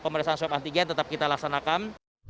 komersasian swap antigen tetap kita laksanakan